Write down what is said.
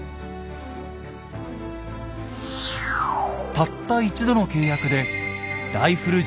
たった１度の契約でライフル銃